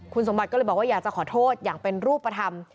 คุณสมบัติก็เลยบอกว่าอยากจะขอโทษอย่างเป็นรูปธรรม